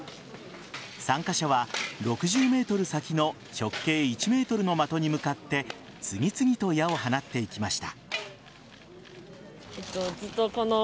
参加者は６０ｍ先の直径１ｍの的に向かって次々と矢を放っていきました。